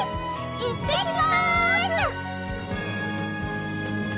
いってきます！